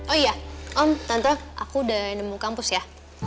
oh iya om tante aku udah nemu kampus ya